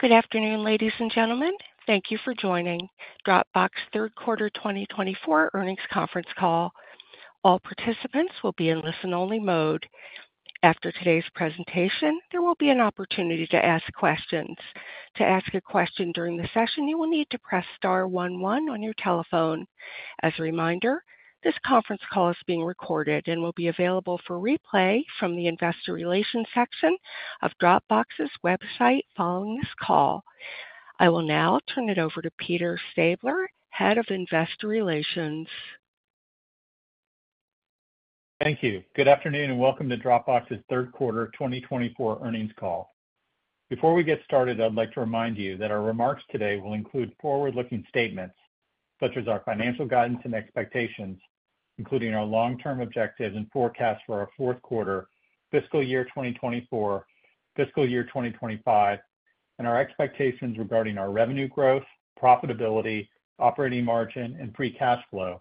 Good afternoon, ladies and gentlemen. Thank you for joining Dropbox Third Quarter 2024 Earnings Conference Call. All participants will be in listen-only mode. After today's presentation, there will be an opportunity to ask questions. To ask a question during the session, you will need to press star one one on your telephone. As a reminder, this conference call is being recorded and will be available for replay from the investor relations section of Dropbox's website following this call. I will now turn it over to Peter Stabler, Head of Investor Relations. Thank you. Good afternoon and welcome to Dropbox's Third Quarter 2024 earnings call. Before we get started, I'd like to remind you that our remarks today will include forward-looking statements such as our financial guidance and expectations, including our long-term objectives and forecast for our fourth quarter, fiscal year 2024, fiscal year 2025, and our expectations regarding our revenue growth, profitability, operating margin, and free cash flow,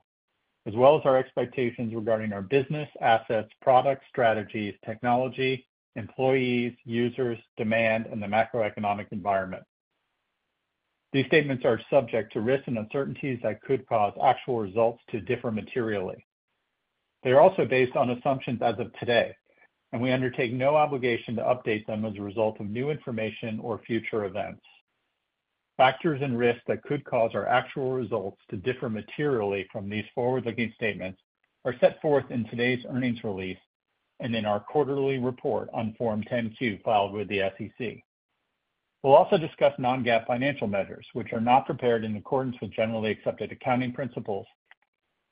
as well as our expectations regarding our business, assets, product strategies, technology, employees, users, demand, and the macroeconomic environment. These statements are subject to risks and uncertainties that could cause actual results to differ materially. They are also based on assumptions as of today, and we undertake no obligation to update them as a result of new information or future events. Factors and risks that could cause our actual results to differ materially from these forward-looking statements are set forth in today's earnings release and in our quarterly report on Form 10-Q filed with the SEC. We'll also discuss non-GAAP financial measures, which are not prepared in accordance with generally accepted accounting principles.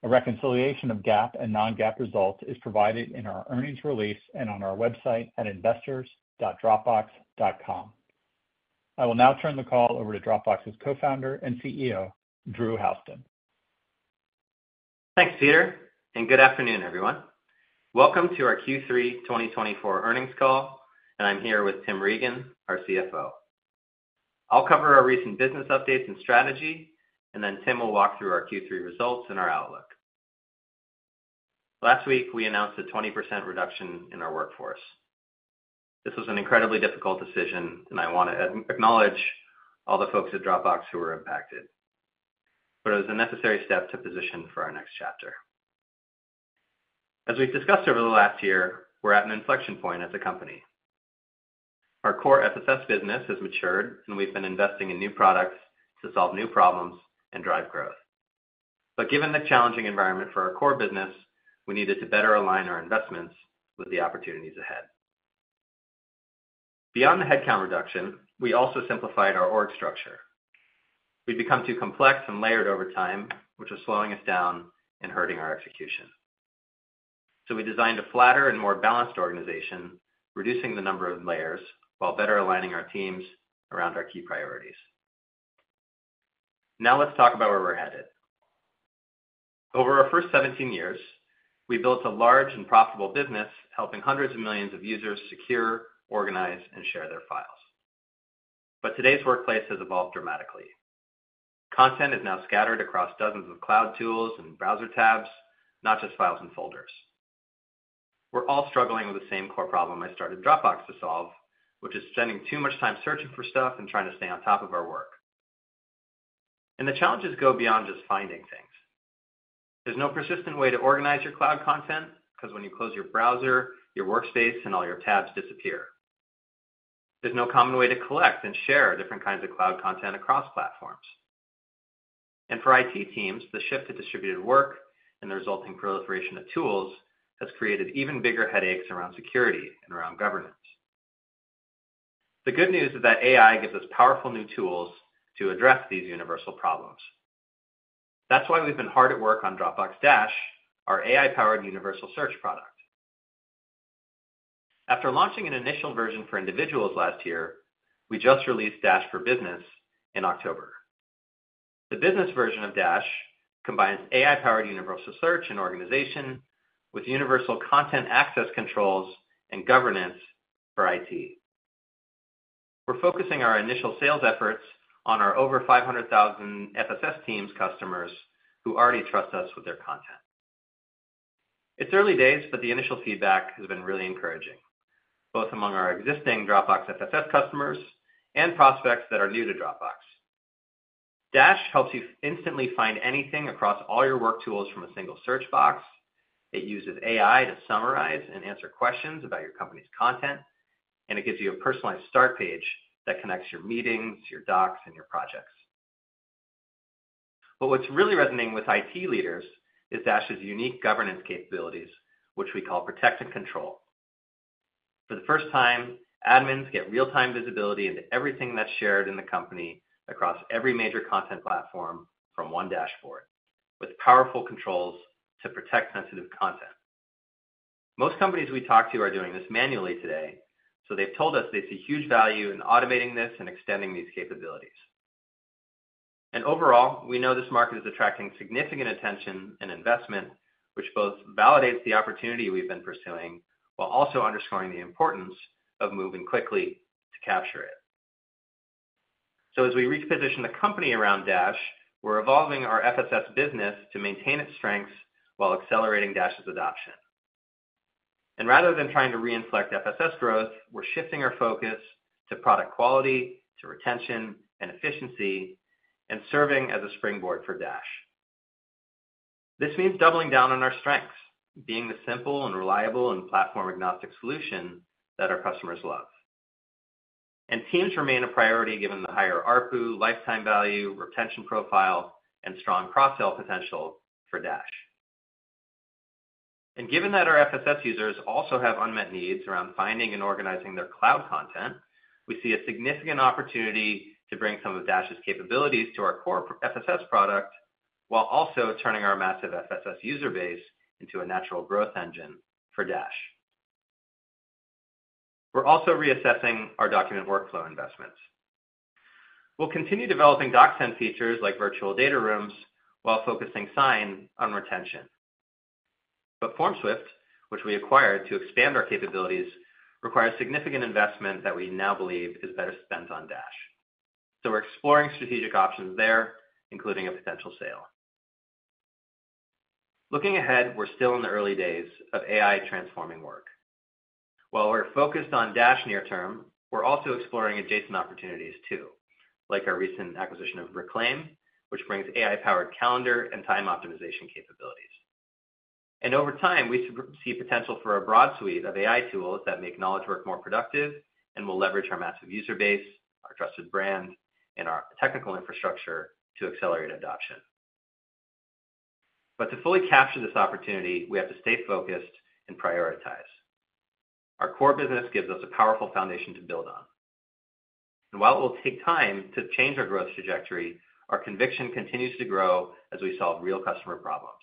A reconciliation of GAAP and non-GAAP results is provided in our earnings release and on our website at investors.dropbox.com. I will now turn the call over to Dropbox's co-founder and CEO, Drew Houston. Thanks, Peter, and good afternoon, everyone. Welcome to our Q3 2024 earnings call, and I'm here with Tim Regan, our CFO. I'll cover our recent business updates and strategy, and then Tim will walk through our Q3 results and our outlook. Last week, we announced a 20% reduction in our workforce. This was an incredibly difficult decision, and I want to acknowledge all the folks at Dropbox who were impacted, but it was a necessary step to position for our next chapter. As we've discussed over the last year, we're at an inflection point as a company. Our core FSS business has matured, and we've been investing in new products to solve new problems and drive growth. But given the challenging environment for our core business, we needed to better align our investments with the opportunities ahead. Beyond the headcount reduction, we also simplified our org structure. We'd become too complex and layered over time, which was slowing us down and hurting our execution. So we designed a flatter and more balanced organization, reducing the number of layers while better aligning our teams around our key priorities. Now let's talk about where we're headed. Over our first 17 years, we built a large and profitable business, helping hundreds of millions of users secure, organize, and share their files. But today's workplace has evolved dramatically. Content is now scattered across dozens of cloud tools and browser tabs, not just files and folders. We're all struggling with the same core problem I started Dropbox to solve, which is spending too much time searching for stuff and trying to stay on top of our work. And the challenges go beyond just finding things. There's no persistent way to organize your cloud content because when you close your browser, your workspace, and all your tabs disappear. There's no common way to collect and share different kinds of cloud content across platforms, and for IT teams, the shift to distributed work and the resulting proliferation of tools has created even bigger headaches around security and around governance. The good news is that AI gives us powerful new tools to address these universal problems. That's why we've been hard at work on Dropbox Dash, our AI-powered universal search product. After launching an initial version for individuals last year, we just released Dash for Business in October. The business version of Dash combines AI-powered universal search and organization with universal content access controls and governance for IT. We're focusing our initial sales efforts on our over 500,000 FSS Teams customers who already trust us with their content. It's early days, but the initial feedback has been really encouraging, both among our existing Dropbox FSS customers and prospects that are new to Dropbox. Dash helps you instantly find anything across all your work tools from a single search box. It uses AI to summarize and answer questions about your company's content, and it gives you a personalized start page that connects your meetings, your docs, and your projects. But what's really resonating with IT leaders is Dash's unique governance capabilities, which we call Protect and Control. For the first time, admins get real-time visibility into everything that's shared in the company across every major content platform from one dashboard, with powerful controls to protect sensitive content. Most companies we talk to are doing this manually today, so they've told us they see huge value in automating this and extending these capabilities. Overall, we know this market is attracting significant attention and investment, which both validates the opportunity we've been pursuing while also underscoring the importance of moving quickly to capture it. So as we reposition the company around Dash, we're evolving our FSS business to maintain its strengths while accelerating Dash's adoption. Rather than trying to reignite FSS growth, we're shifting our focus to product quality, to retention and efficiency, and serving as a springboard for Dash. This means doubling down on our strengths, being the simple and reliable and platform-agnostic solution that our customers love. Teams remain a priority given the higher ARPU, lifetime value, retention profile, and strong cross-sell potential for Dash. Given that our FSS users also have unmet needs around finding and organizing their cloud content, we see a significant opportunity to bring some of Dash's capabilities to our core FSS product while also turning our massive FSS user base into a natural growth engine for Dash. We're also reassessing our document workflow investments. We'll continue developing DocSend features like virtual data rooms while focusing Sign on retention. FormSwift, which we acquired to expand our capabilities, requires significant investment that we now believe is better spent on Dash. We're exploring strategic options there, including a potential sale. Looking ahead, we're still in the early days of AI transforming work. While we're focused on Dash near term, we're also exploring adjacent opportunities too, like our recent acquisition of Reclaim, which brings AI-powered calendar and time optimization capabilities. And over time, we see potential for a broad suite of AI tools that make knowledge work more productive and will leverage our massive user base, our trusted brand, and our technical infrastructure to accelerate adoption. But to fully capture this opportunity, we have to stay focused and prioritize. Our core business gives us a powerful foundation to build on. And while it will take time to change our growth trajectory, our conviction continues to grow as we solve real customer problems.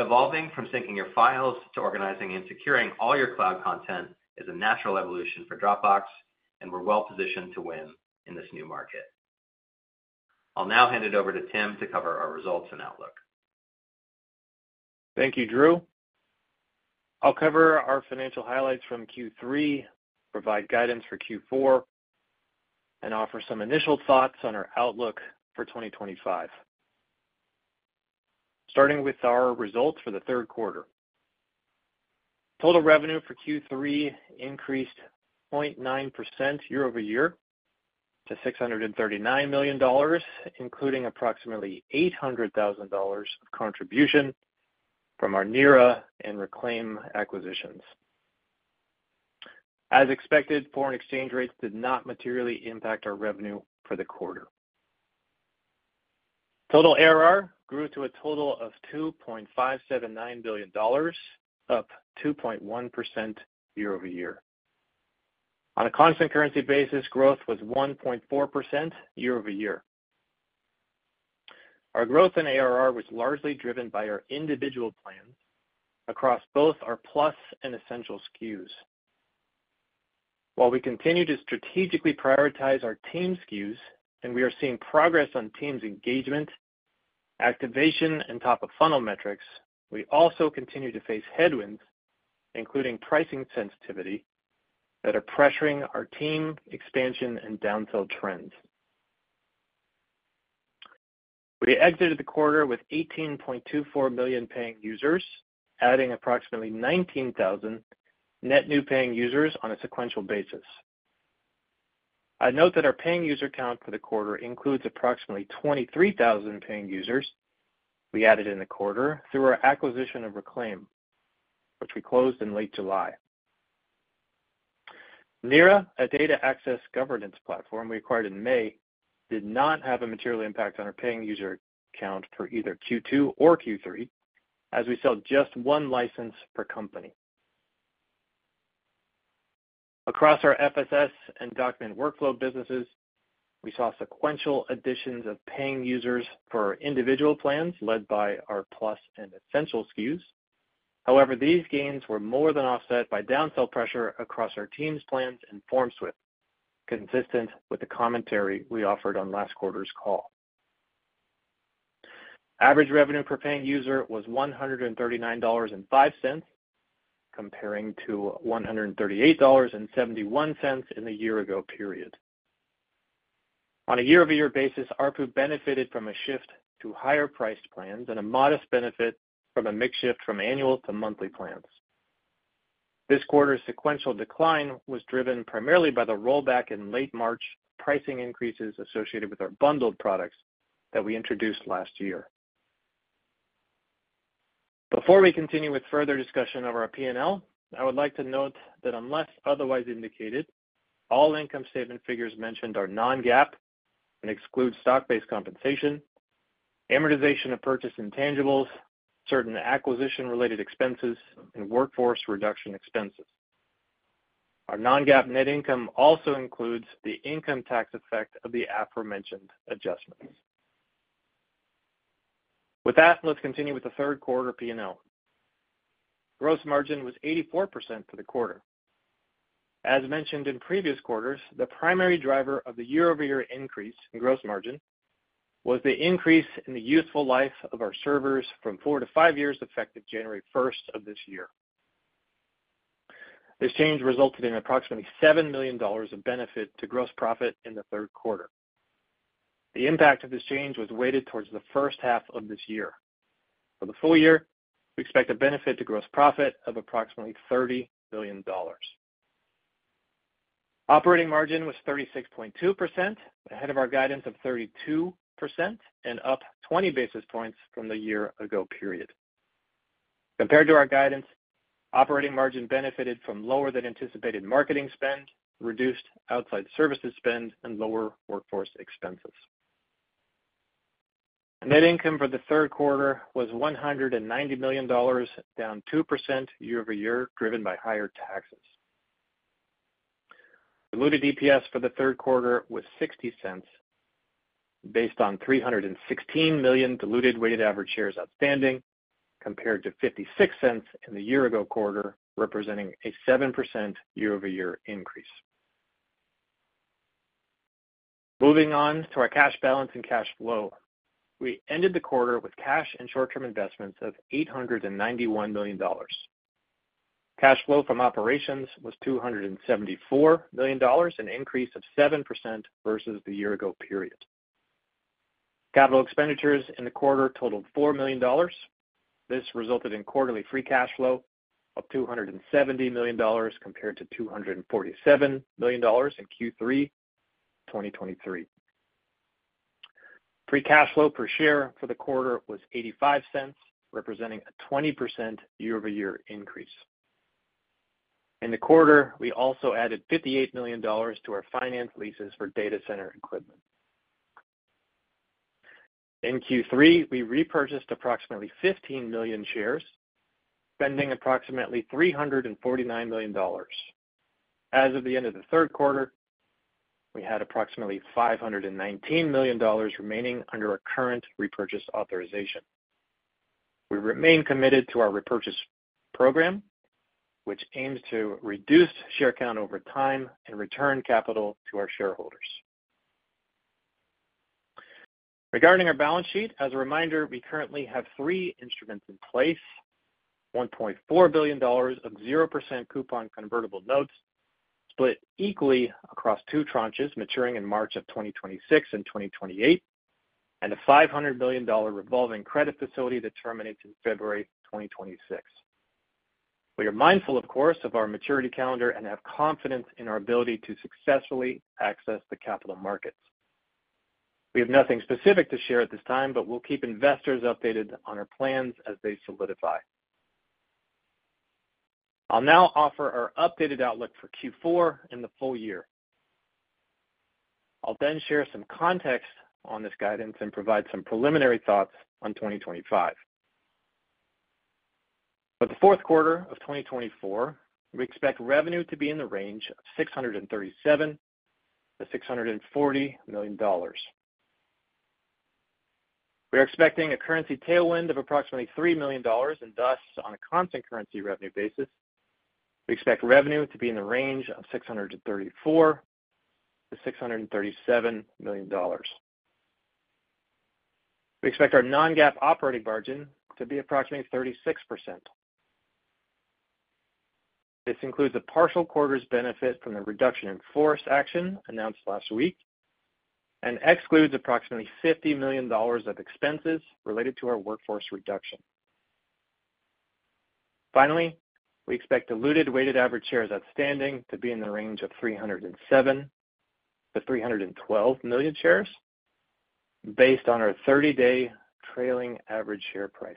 Evolving from syncing your files to organizing and securing all your cloud content is a natural evolution for Dropbox, and we're well positioned to win in this new market. I'll now hand it over to Tim to cover our results and outlook. Thank you, Drew. I'll cover our financial highlights from Q3, provide guidance for Q4, and offer some initial thoughts on our outlook for 2025. Starting with our results for the third quarter, total revenue for Q3 increased 0.9% year-over-year to $639 million, including approximately $800,000 of contribution from our Nira and Reclaim acquisitions. As expected, foreign exchange rates did not materially impact our revenue for the quarter. Total ARR grew to a total of $2.579 billion, up 2.1% year-over-year. On a constant currency basis, growth was 1.4% year-over-year. Our growth in ARR was largely driven by our individual plans across both our Plus and Essentials SKUs. While we continue to strategically prioritize our Team SKUs and we are seeing progress on Teams engagement, activation, and top-of-funnel metrics, we also continue to face headwinds, including pricing sensitivity, that are pressuring our Team expansion and downsell trends. We exited the quarter with 18.24 million paying users, adding approximately 19,000 net new paying users on a sequential basis. I note that our paying user count for the quarter includes approximately 23,000 paying users we added in the quarter through our acquisition of Reclaim, which we closed in late July. Nira, a data access governance platform we acquired in May, did not have a material impact on our paying user count for either Q2 or Q3, as we sold just one license per company. Across our FSS and document workflow businesses, we saw sequential additions of paying users for our individual plans led by our Plus and Essentials SKUs. However, these gains were more than offset by downward pressure across our Teams plans and FormSwift, consistent with the commentary we offered on last quarter's call. Average revenue per paying user was $139.05, comparing to $138.71 in the year-ago period. On a year-over-year basis, ARPU benefited from a shift to higher-priced plans and a modest benefit from a mix shift from annual to monthly plans. This quarter's sequential decline was driven primarily by the rollback in late March pricing increases associated with our bundled products that we introduced last year. Before we continue with further discussion of our P&L, I would like to note that unless otherwise indicated, all income statement figures mentioned are non-GAAP and exclude stock-based compensation, amortization of purchase intangibles, certain acquisition-related expenses, and workforce reduction expenses. Our non-GAAP net income also includes the income tax effect of the aforementioned adjustments. With that, let's continue with the third quarter P&L. Gross margin was 84% for the quarter. As mentioned in previous quarters, the primary driver of the year-over-year increase in gross margin was the increase in the useful life of our servers from four to five years effective January 1st of this year. This change resulted in approximately $7 million of benefit to gross profit in the third quarter. The impact of this change was weighted towards the first half of this year. For the full year, we expect a benefit to gross profit of approximately $30 million. Operating margin was 36.2%, ahead of our guidance of 32% and up 20 basis points from the year-ago period. Compared to our guidance, operating margin benefited from lower-than-anticipated marketing spend, reduced outside services spend, and lower workforce expenses. Net income for the third quarter was $190 million, down 2% year-over-year, driven by higher taxes. Diluted EPS for the third quarter was $0.60, based on 316 million diluted weighted average shares outstanding, compared to $0.56 in the year-ago quarter, representing a 7% year-over-year increase. Moving on to our cash balance and cash flow, we ended the quarter with cash and short-term investments of $891 million. Cash flow from operations was $274 million, an increase of 7% versus the year-ago period. Capital expenditures in the quarter totaled $4 million. This resulted in quarterly free cash flow of $270 million compared to $247 million in Q3 2023. Free cash flow per share for the quarter was $0.85, representing a 20% year-over-year increase. In the quarter, we also added $58 million to our finance leases for data center equipment. In Q3, we repurchased approximately 15 million shares, spending approximately $349 million. As of the end of the third quarter, we had approximately $519 million remaining under our current repurchase authorization. We remain committed to our repurchase program, which aims to reduce share count over time and return capital to our shareholders. Regarding our balance sheet, as a reminder, we currently have three instruments in place: $1.4 billion of 0% coupon convertible notes split equally across two tranches maturing in March of 2026 and 2028, and a $500 million revolving credit facility that terminates in February 2026. We are mindful, of course, of our maturity calendar and have confidence in our ability to successfully access the capital markets. We have nothing specific to share at this time, but we'll keep investors updated on our plans as they solidify. I'll now offer our updated outlook for Q4 in the full year. I'll then share some context on this guidance and provide some preliminary thoughts on 2025. For the fourth quarter of 2024, we expect revenue to be in the range of $637-$640 million. We are expecting a currency tailwind of approximately $3 million, and thus, on a constant currency revenue basis, we expect revenue to be in the range of $634-$637 million. We expect our non-GAAP operating margin to be approximately 36%. This includes a partial quarter's benefit from the reduction in force action announced last week and excludes approximately $50 million of expenses related to our workforce reduction. Finally, we expect diluted weighted average shares outstanding to be in the range of 307-312 million shares, based on our 30-day trailing average share price.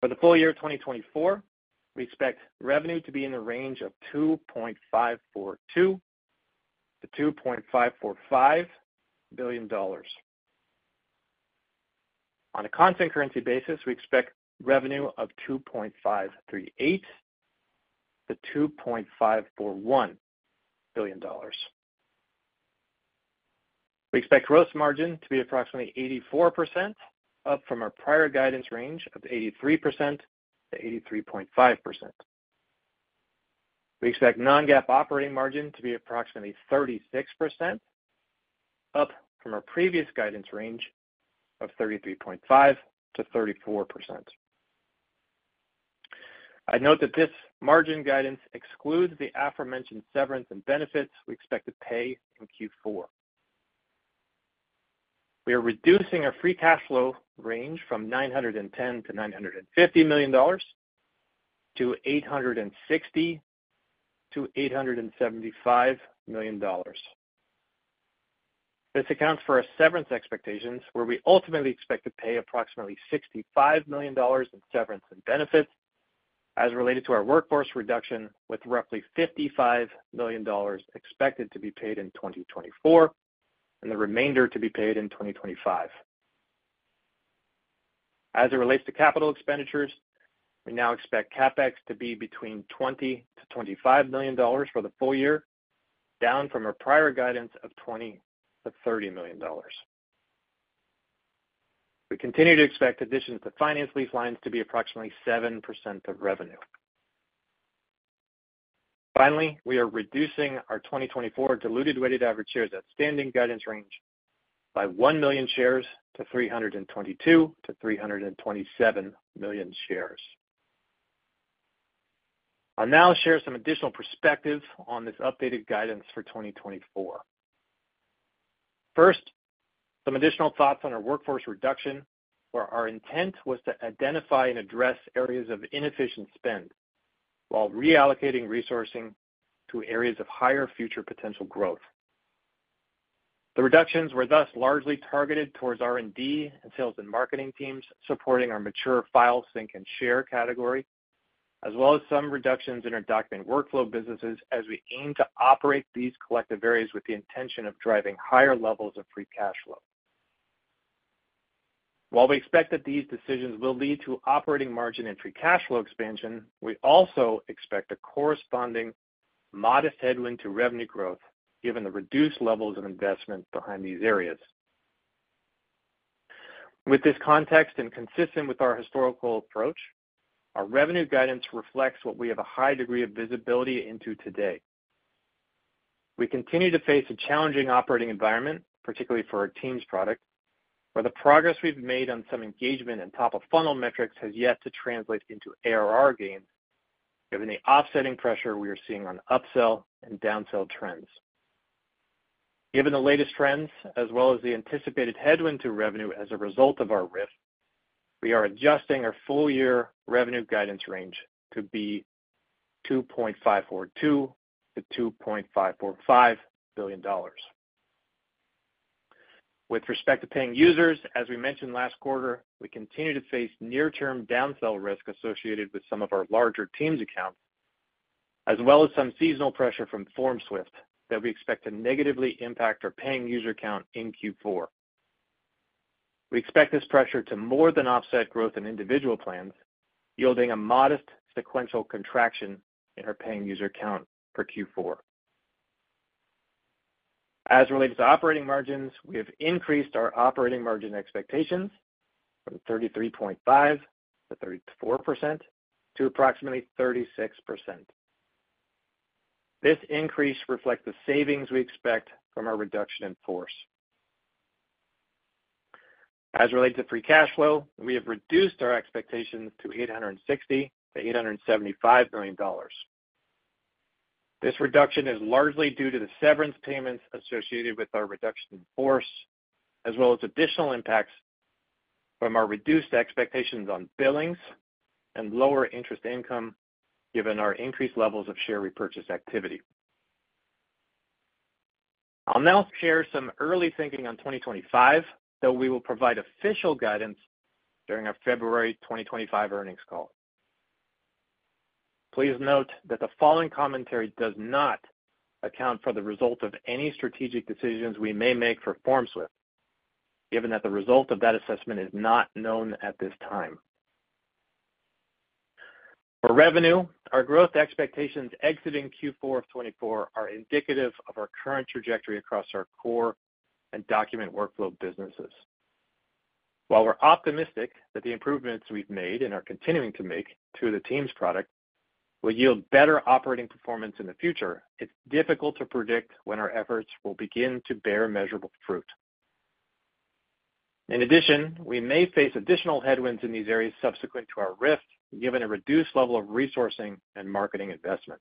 For the full year of 2024, we expect revenue to be in the range of $2.542-$2.545 billion. On a constant currency basis, we expect revenue of $2.538-$2.541 billion. We expect gross margin to be approximately 84%, up from our prior guidance range of 83%-83.5%. We expect non-GAAP operating margin to be approximately 36%, up from our previous guidance range of 33.5%-34%. I note that this margin guidance excludes the aforementioned severance and benefits we expect to pay in Q4. We are reducing our free cash flow range from $910-$950 million to $860-$875 million. This accounts for our severance expectations, where we ultimately expect to pay approximately $65 million in severance and benefits as related to our workforce reduction, with roughly $55 million expected to be paid in 2024 and the remainder to be paid in 2025. As it relates to capital expenditures, we now expect CapEx to be between $20-$25 million for the full year, down from our prior guidance of $20-$30 million. We continue to expect additions to finance lease lines to be approximately 7% of revenue. Finally, we are reducing our 2024 diluted weighted average shares outstanding guidance range by 1 million shares to 322-327 million shares. I'll now share some additional perspectives on this updated guidance for 2024. First, some additional thoughts on our workforce reduction, where our intent was to identify and address areas of inefficient spend while reallocating resourcing to areas of higher future potential growth. The reductions were thus largely targeted towards R&D and sales and marketing teams supporting our mature File Sync and Share category, as well as some reductions in our document workflow businesses as we aim to operate these collective areas with the intention of driving higher levels of Free Cash Flow. While we expect that these decisions will lead to Operating Margin and Free Cash Flow expansion, we also expect a corresponding modest headwind to revenue growth given the reduced levels of investment behind these areas. With this context and consistent with our historical approach, our revenue guidance reflects what we have a high degree of visibility into today. We continue to face a challenging operating environment, particularly for our Teams product, where the progress we've made on some engagement and top-of-funnel metrics has yet to translate into ARR gain given the offsetting pressure we are seeing on upsell and downsell trends. Given the latest trends, as well as the anticipated headwind to revenue as a result of our RIF, we are adjusting our full-year revenue guidance range to be $2.542-$2.545 billion. With respect to paying users, as we mentioned last quarter, we continue to face near-term downsell risk associated with some of our larger Teams accounts, as well as some seasonal pressure from FormSwift that we expect to negatively impact our paying user count in Q4. We expect this pressure to more than offset growth in individual plans, yielding a modest sequential contraction in our paying user count for Q4. As it relates to operating margins, we have increased our operating margin expectations from 33.5% to 34% to approximately 36%. This increase reflects the savings we expect from our reduction in force. As it relates to free cash flow, we have reduced our expectations to $860-$875 million. This reduction is largely due to the severance payments associated with our reduction in force, as well as additional impacts from our reduced expectations on billings and lower interest income given our increased levels of share repurchase activity. I'll now share some early thinking on 2025, though we will provide official guidance during our February 2025 earnings call. Please note that the following commentary does not account for the result of any strategic decisions we may make for FormSwift, given that the result of that assessment is not known at this time. For revenue, our growth expectations exiting Q4 of 2024 are indicative of our current trajectory across our core and document workflow businesses. While we're optimistic that the improvements we've made and are continuing to make to the Teams product will yield better operating performance in the future, it's difficult to predict when our efforts will begin to bear measurable fruit. In addition, we may face additional headwinds in these areas subsequent to our RIF, given a reduced level of resourcing and marketing investment.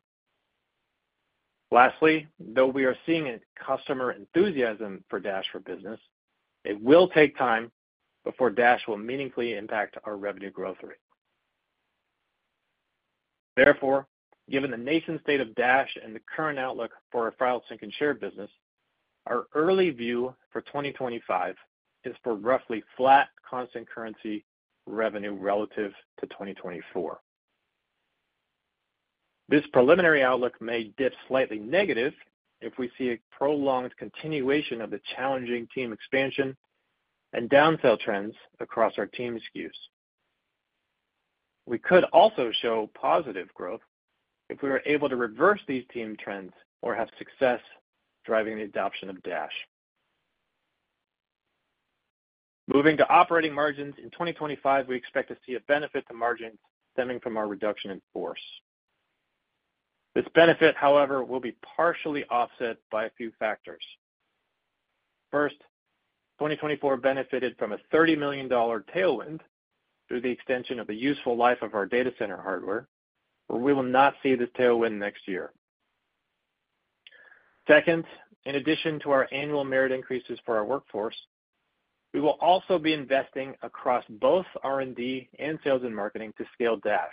Lastly, though we are seeing customer enthusiasm for Dash for Business, it will take time before Dash will meaningfully impact our revenue growth rate. Therefore, given the nascent state of Dash and the current outlook for our File Sync and Share business, our early view for 2025 is for roughly flat constant currency revenue relative to 2024. This preliminary outlook may dip slightly negative if we see a prolonged continuation of the challenging Team expansion and downsell trends across our Team SKUs. We could also show positive growth if we are able to reverse these Team trends or have success driving the adoption of Dash. Moving to operating margins, in 2025, we expect to see a benefit to margins stemming from our reduction in force. This benefit, however, will be partially offset by a few factors. First, 2024 benefited from a $30 million tailwind through the extension of the useful life of our data center hardware, where we will not see this tailwind next year. Second, in addition to our annual merit increases for our workforce, we will also be investing across both R&D and sales and marketing to scale Dash,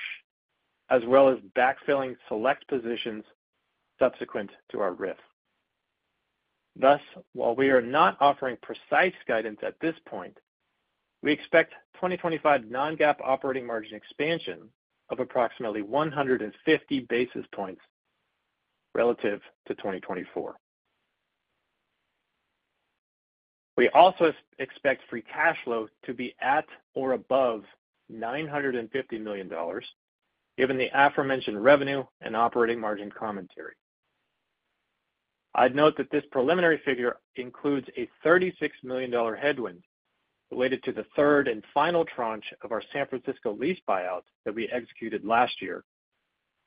as well as backfilling select positions subsequent to our RIF. Thus, while we are not offering precise guidance at this point, we expect 2025 non-GAAP operating margin expansion of approximately 150 basis points relative to 2024. We also expect free cash flow to be at or above $950 million, given the aforementioned revenue and operating margin commentary. I'd note that this preliminary figure includes a $36 million headwind related to the third and final tranche of our San Francisco lease buyout that we executed last year,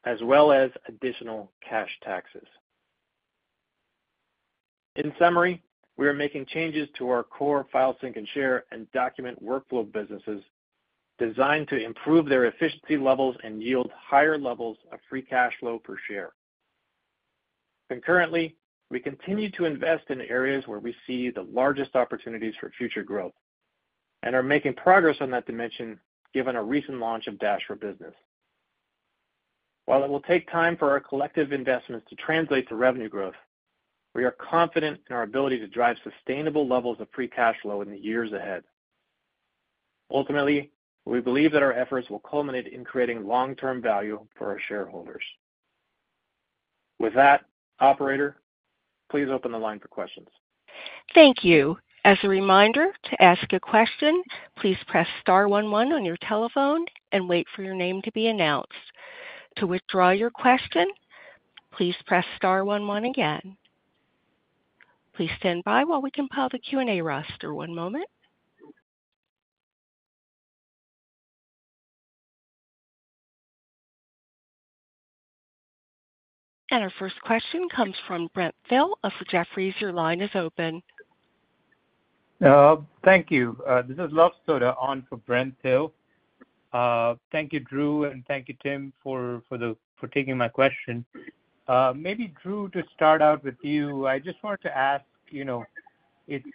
as well as additional cash taxes. In summary, we are making changes to our core File Sync and Share and document workflow businesses designed to improve their efficiency levels and yield higher levels of free cash flow per share. Concurrently, we continue to invest in areas where we see the largest opportunities for future growth and are making progress on that dimension given our recent launch of Dash for Business. While it will take time for our collective investments to translate to revenue growth, we are confident in our ability to drive sustainable levels of free cash flow in the years ahead. Ultimately, we believe that our efforts will culminate in creating long-term value for our shareholders. With that, Operator, please open the line for questions. Thank you. As a reminder, to ask a question, please press star one one on your telephone and wait for your name to be announced. To withdraw your question, please press star one one again. Please stand by while we compile the Q&A roster. One moment. And our first question comes from Brent Thill of Jefferies. Your line is open. Thank you. This is Luv Sodha on for Brent Thill. Thank you, Drew, and thank you, Tim, for taking my question. Maybe, Drew, to start out with you, I just wanted to ask. It's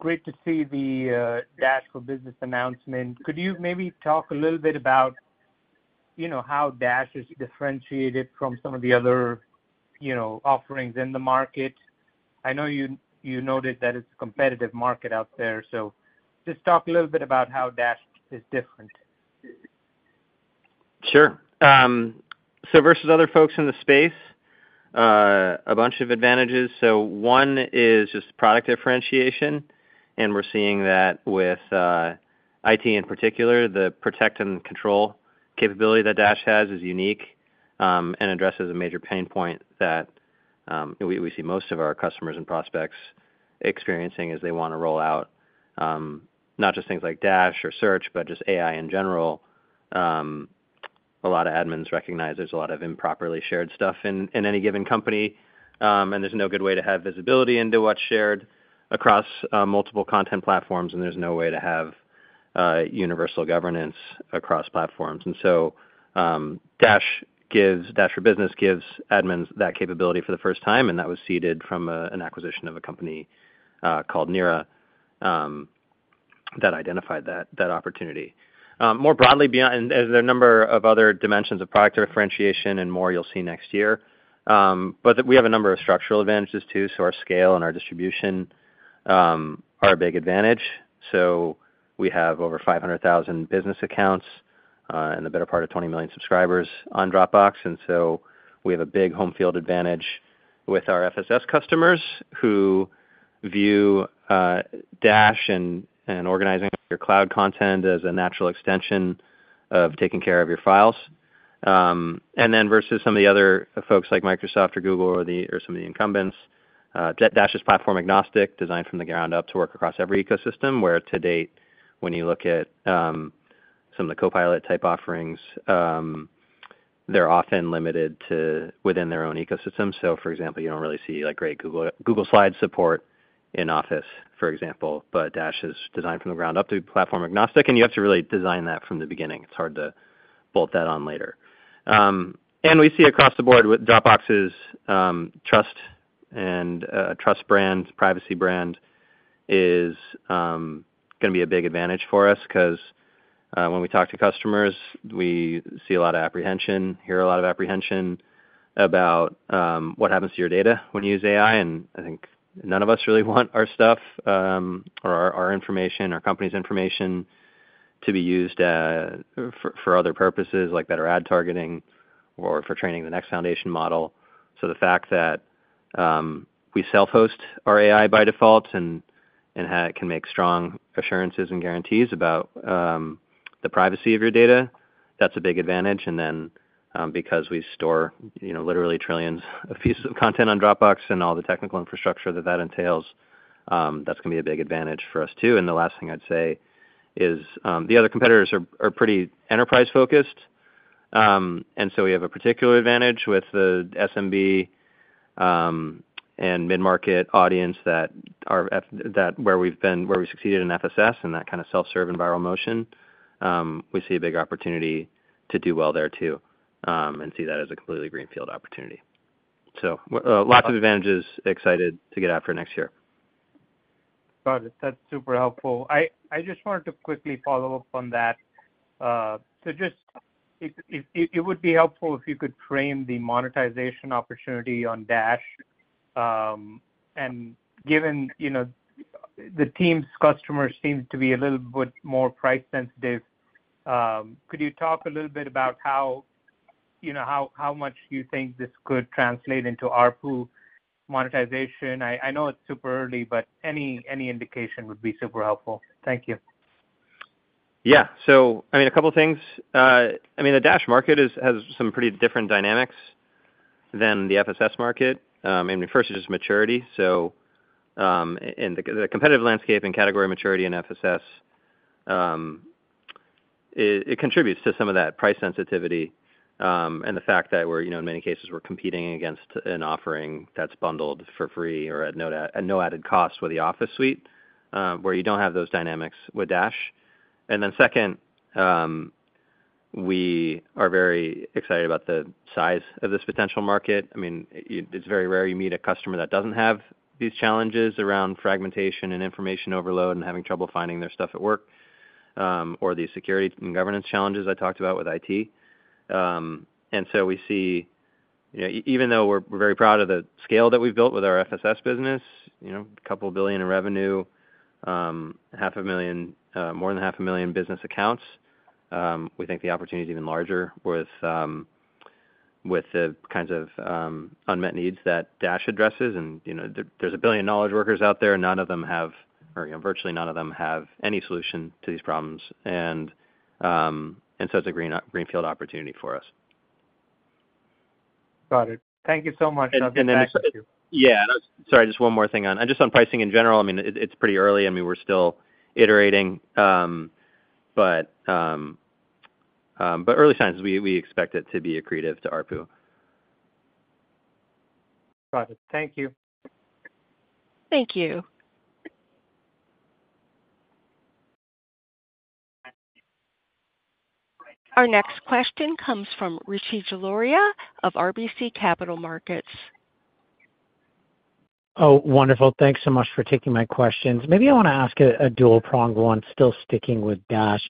great to see the Dash for Business announcement. Could you maybe talk a little bit about how Dash is differentiated from some of the other offerings in the market? I know you noted that it's a competitive market out there. So just talk a little bit about how Dash is different. Sure. So versus other folks in the space, a bunch of advantages. So one is just product differentiation. And we're seeing that with IT in particular. The Protect and Control capability that Dash has is unique and addresses a major pain point that we see most of our customers and prospects experiencing as they want to roll out not just things like Dash or search, but just AI in general. A lot of admins recognize there's a lot of improperly shared stuff in any given company. And there's no good way to have visibility into what's shared across multiple content platforms. And there's no way to have universal governance across platforms. And so Dash for Business gives admins that capability for the first time. And that was seeded from an acquisition of a company called Nira that identified that opportunity. More broadly, there are a number of other dimensions of product differentiation and more you'll see next year. But we have a number of structural advantages too. So our scale and our distribution are a big advantage. So we have over 500,000 business accounts and the better part of 20 million subscribers on Dropbox. And so we have a big home field advantage with our FSS customers who view Dash and organizing your cloud content as a natural extension of taking care of your files. And then versus some of the other folks like Microsoft or Google or some of the incumbents, Dash is platform agnostic, designed from the ground up to work across every ecosystem, whereas to date, when you look at some of the Copilot-type offerings, they're often limited within their own ecosystem. So, for example, you don't really see great Google Slides support in Office, for example. But Dash is designed from the ground up to be platform agnostic. And you have to really design that from the beginning. It's hard to bolt that on later. And we see across the board with Dropbox's trust and trusted brand, privacy brand is going to be a big advantage for us because when we talk to customers, we see a lot of apprehension about what happens to your data when you use AI. And I think none of us really want our stuff or our information, our company's information to be used for other purposes like better ad targeting or for training the next foundation model. So the fact that we self-host our AI by default and can make strong assurances and guarantees about the privacy of your data, that's a big advantage. And then because we store literally trillions of pieces of content on Dropbox and all the technical infrastructure that that entails, that's going to be a big advantage for us too. And the last thing I'd say is the other competitors are pretty enterprise-focused. And so we have a particular advantage with the SMB and mid-market audience that where we've succeeded in FSS and that kind of self-serve and viral motion. We see a big opportunity to do well there too and see that as a completely greenfield opportunity. So, lots of advantages. Excited to get after next year. Got it. That's super helpful. I just wanted to quickly follow up on that. So just it would be helpful if you could frame the monetization opportunity on Dash. And given the Teams customers seem to be a little bit more price-sensitive, could you talk a little bit about how much you think this could translate into ARPU monetization? I know it's super early, but any indication would be super helpful. Thank you. Yeah. So I mean, a couple of things. I mean, the Dash market has some pretty different dynamics than the FSS market. I mean, first, it's just maturity. So in the competitive landscape and category maturity in FSS, it contributes to some of that price sensitivity and the fact that in many cases, we're competing against an offering that's bundled for free or at no added cost with the Office suite, where you don't have those dynamics with Dash. And then second, we are very excited about the size of this potential market. I mean, it's very rare you meet a customer that doesn't have these challenges around fragmentation and information overload and having trouble finding their stuff at work or these security and governance challenges I talked about with IT. And so we see, even though we're very proud of the scale that we've built with our FSS business, a couple of billion in revenue, more than 500,000 business accounts, we think the opportunity is even larger with the kinds of unmet needs that Dash addresses. And there's a billion knowledge workers out there, and none of them have, or virtually none of them have any solution to these problems. And so it's a greenfield opportunity for us. Got it. Thank you so much. I'll get back to you. Yeah. Sorry, just one more thing. And just on pricing in general, I mean, it's pretty early. I mean, we're still iterating. But early signs, we expect it to be accretive to ARPU. Got it. Thank you. Thank you. Our next question comes from Rishi Jaluria of RBC Capital Markets. Oh, wonderful. Thanks so much for taking my questions. Maybe I want to ask a dual-pronged one, still sticking with Dash.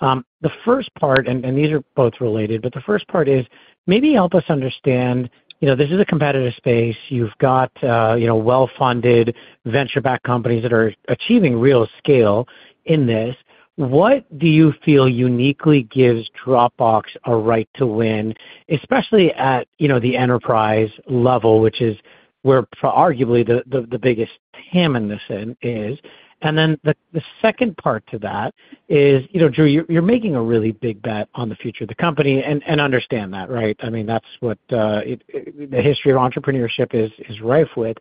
The first part, and these are both related, but the first part is maybe help us understand this is a competitive space. You've got well-funded venture-backed companies that are achieving real scale in this. What do you feel uniquely gives Dropbox a right to win, especially at the enterprise level, which is where arguably the biggest jam in this is? And then the second part to that is, Drew, you're making a really big bet on the future of the company. And understand that, right? I mean, that's what the history of entrepreneurship is rife with.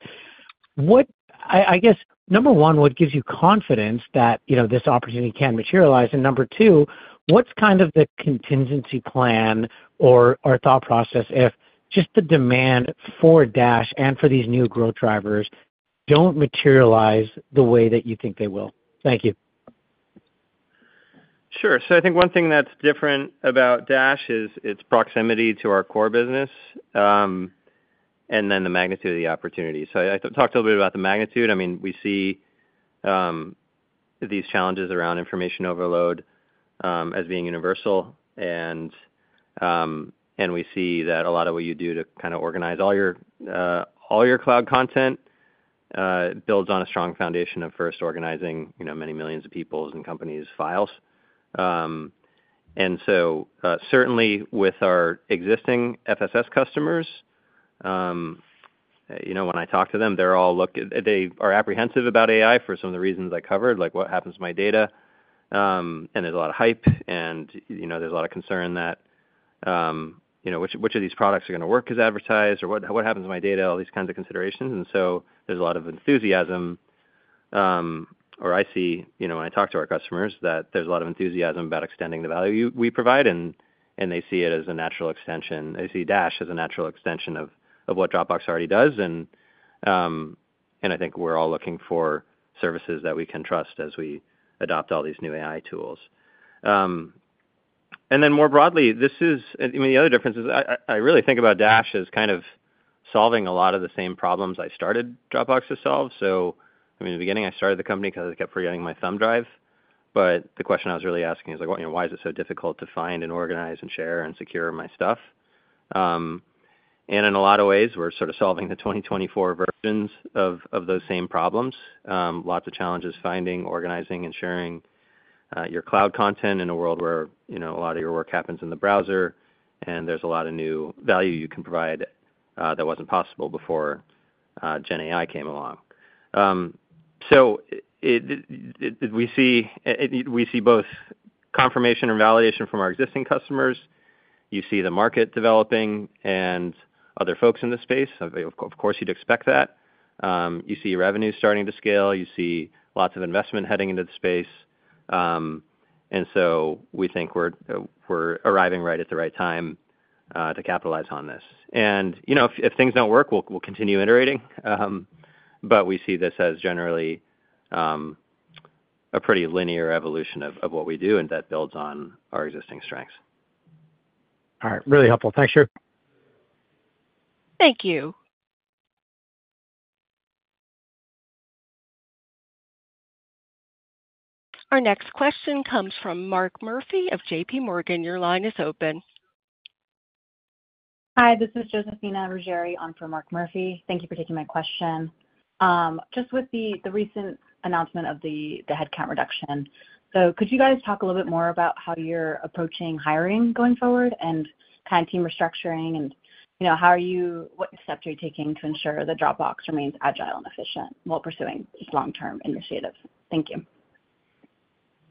I guess, number one, what gives you confidence that this opportunity can materialize? And number two, what's kind of the contingency plan or thought process if just the demand for Dash and for these new growth drivers don't materialize the way that you think they will? Thank you. Sure. So I think one thing that's different about Dash is its proximity to our core business and then the magnitude of the opportunity. So I talked a little bit about the magnitude. I mean, we see these challenges around information overload as being universal. And we see that a lot of what you do to kind of organize all your cloud content builds on a strong foundation of first organizing many millions of people's and companies' files. And so certainly, with our existing FSS customers, when I talk to them, they are apprehensive about AI for some of the reasons I covered, like what happens to my data. And there's a lot of hype. And there's a lot of concern that which of these products are going to work as advertised or what happens to my data, all these kinds of considerations. And so there's a lot of enthusiasm, or I see when I talk to our customers that there's a lot of enthusiasm about extending the value we provide. And they see it as a natural extension. They see Dash as a natural extension of what Dropbox already does. And I think we're all looking for services that we can trust as we adopt all these new AI tools. And then more broadly, this is I mean, the other difference is I really think about Dash as kind of solving a lot of the same problems I started Dropbox to solve. So I mean, in the beginning, I started the company because I kept forgetting my thumb drive. But the question I was really asking is, why is it so difficult to find and organize and share and secure my stuff? And in a lot of ways, we're sort of solving the 2024 versions of those same problems. Lots of challenges finding, organizing, and sharing your cloud content in a world where a lot of your work happens in the browser. And there's a lot of new value you can provide that wasn't possible before GenAI came along. So we see both confirmation and validation from our existing customers. You see the market developing and other folks in the space. Of course, you'd expect that. You see revenues starting to scale. You see lots of investment heading into the space. And so we think we're arriving right at the right time to capitalize on this. And if things don't work, we'll continue iterating. But we see this as generally a pretty linear evolution of what we do, and that builds on our existing strengths. All right. Really helpful. Thanks, Drew. Thank you. Our next question comes from Mark Murphy of JPMorgan. Your line is open. Hi. This is Josefina Ruggieri on for Mark Murphy. Thank you for taking my question. Just with the recent announcement of the headcount reduction, so could you guys talk a little bit more about how you're approaching hiring going forward and kind of team restructuring? And how are you what steps are you taking to ensure that Dropbox remains agile and efficient while pursuing this long-term initiative? Thank you.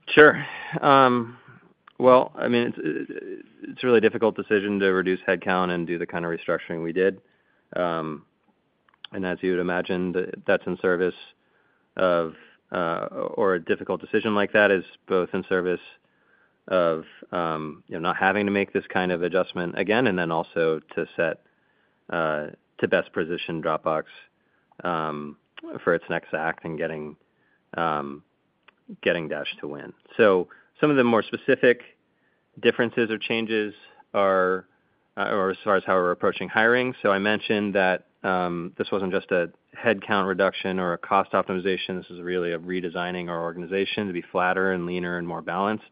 Sure. Well, I mean, it's a really difficult decision to reduce headcount and do the kind of restructuring we did. And as you would imagine, that's in service of or a difficult decision like that is both in service of not having to make this kind of adjustment again and then also to set to best position Dropbox for its next act and getting Dash to win. So some of the more specific differences or changes are as far as how we're approaching hiring. So I mentioned that this wasn't just a headcount reduction or a cost optimization. This is really a redesigning our organization to be flatter and leaner and more balanced.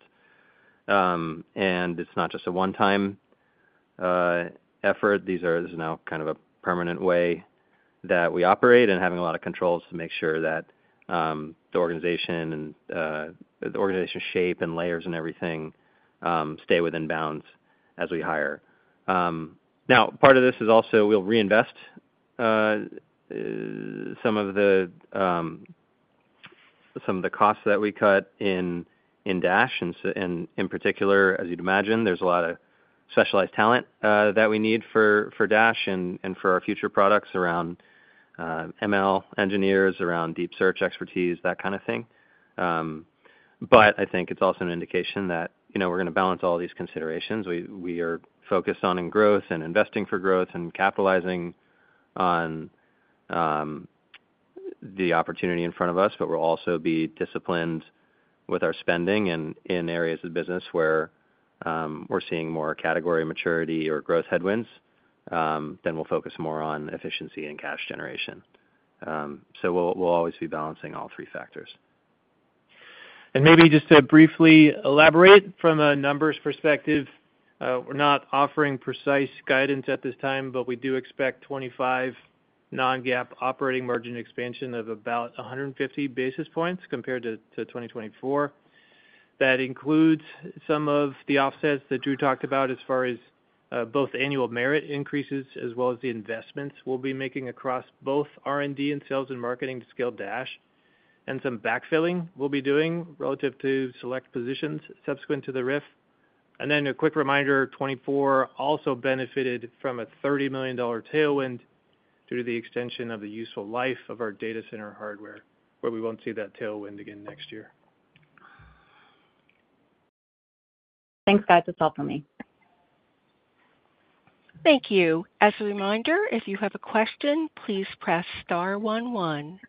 And it's not just a one-time effort. This is now kind of a permanent way that we operate and having a lot of controls to make sure that the organization shape and layers and everything stay within bounds as we hire. Now, part of this is also we'll reinvest some of the costs that we cut in Dash. And in particular, as you'd imagine, there's a lot of specialized talent that we need for Dash and for our future products around ML engineers, around deep search expertise, that kind of thing. But I think it's also an indication that we're going to balance all these considerations. We are focused on growth and investing for growth and capitalizing on the opportunity in front of us. But we'll also be disciplined with our spending in areas of business where we're seeing more category maturity or growth headwinds. Then we'll focus more on efficiency and cash generation. So we'll always be balancing all three factors. And maybe just to briefly elaborate from a numbers perspective, we're not offering precise guidance at this time, but we do expect 2025 non-GAAP operating margin expansion of about 150 basis points compared to 2024. That includes some of the offsets that Drew talked about as far as both annual merit increases as well as the investments we'll be making across both R&D and sales and marketing to scale Dash and some backfilling we'll be doing relative to select positions subsequent to the RIF. And then a quick reminder, 2024 also benefited from a $30 million tailwind due to the extension of the useful life of our data center hardware, where we won't see that tailwind again next year. Thanks. That's it all from me. Thank you. As a reminder, if you have a question, please press star one one.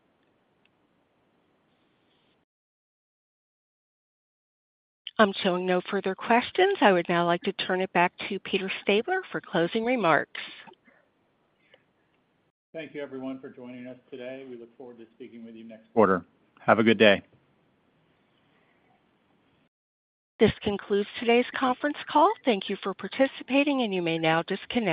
I'm showing no further questions. I would now like to turn it back to Peter Stabler for closing remarks. Thank you, everyone, for joining us today. We look forward to speaking with you next quarter. Have a good day. This concludes today's conference call. Thank you for participating, and you may now disconnect.